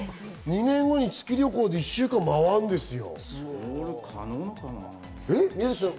月旅行で１週間回るんですよ。